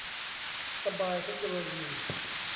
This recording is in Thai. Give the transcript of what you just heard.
สบาย เทคโนโลยี